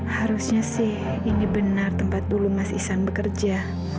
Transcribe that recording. harusnya sih ini benar tempat dulu mas isan bekerja